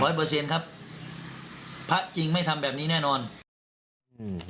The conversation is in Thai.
เปอร์เซ็นต์ครับพระจริงไม่ทำแบบนี้แน่นอนอืม